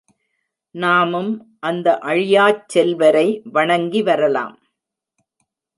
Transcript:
நாமும் அந்த அழியாச் செல்வரை வணங்கி வரலாம்.